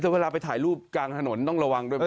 เวลาไปถ่ายรูปกลางถนนต้องระวังด้วยไหม